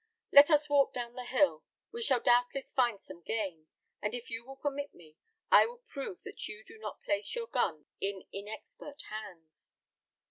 "Let us walk down the hill; we shall doubtless find some game; and if you will permit me, I will prove that you do not place your gun in inexpert hands."